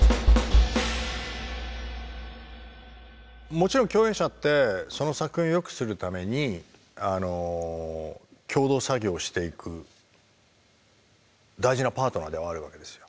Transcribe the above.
もちろん共演者ってその作品を良くするために共同作業をしていく大事なパートナーではあるわけですよ。